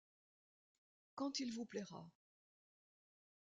Quand il vous plaira.